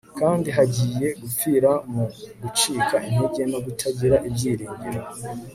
kandi bagiye gupfira mu gucika intege no kutagira ibyiringiro